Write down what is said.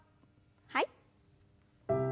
はい。